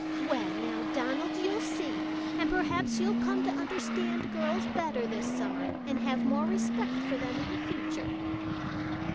"Well, now, Donald, you'll see! and perhaps you'll come to understand girls better this summer, and have more respect for them in the future."